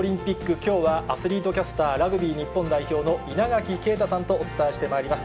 きょうはアスリートキャスター、ラグビー日本代表の稲垣啓太さんとお伝えしてまいります。